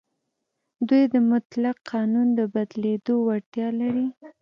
دوی د مطلق قانون د بدلېدو وړتیا لري.